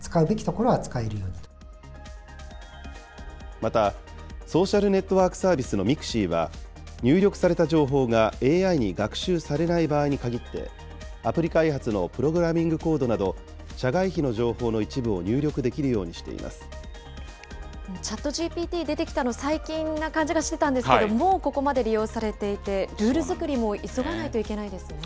また、ソーシャルネットワークサービスのＭＩＸＩは、入力された情報がＡＩに学習されない場合に限って、アプリ開発のプログラミングコードなど、社外秘の情報の一部を入力できるようＣｈａｔＧＰＴ、出てきたの最近な感じがしてたんですけど、もうここまで利用されていて、ルール作りも急がないといけないですね。